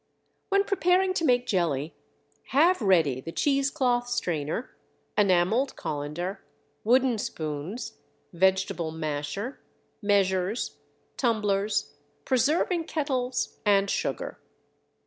When preparing to make jelly have ready the cheese cloth strainer, enameled colander, wooden spoons, vegetable masher, measures, tumblers, preserving kettles, and sugar.